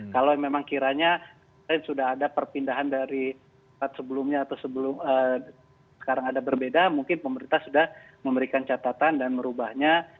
kalau memang kiranya sudah ada perpindahan dari saat sebelumnya atau sebelum sekarang ada berbeda mungkin pemerintah sudah memberikan catatan dan merubahnya